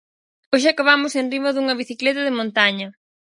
Hoxe acabamos enriba dunha bicicleta de montaña.